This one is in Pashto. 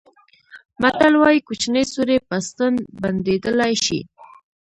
متل وایي کوچنی سوری په ستن بندېدلای شي.